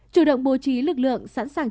chủ động bố trí lực lượng sẵn sàng